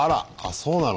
そうなの。